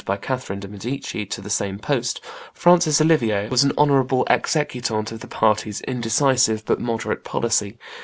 by Catherine de' Medici to the same post, Francis Olivier, was an honorable executant of the party's indecisive but moderate policy.